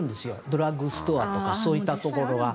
ドラッグストアとかそういったところは。